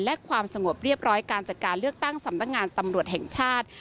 และความสงบเรียบร้อยการจัดการเลือกตั้งสำนักงานตำรวจแห่งชาติ